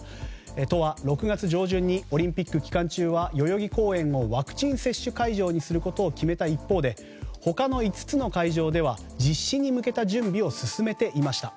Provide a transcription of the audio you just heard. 都は６月上旬にオリンピック期間中は代々木公園をワクチン接種会場にすることを決めた一方で他の５つの会場では実施に向けた準備を進めていました。